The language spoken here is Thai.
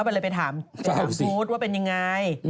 ก็ไปเลยไปถามเจ้าหาพุธว่าเป็นอย่างไร